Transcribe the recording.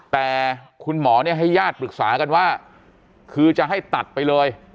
แต่คุณหมอเนี่ยให้ญาติปรึกษากันว่าคือจะให้ตัดไปเลย